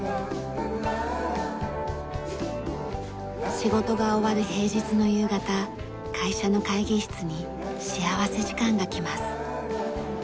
仕事が終わる平日の夕方会社の会議室に幸福時間がきます。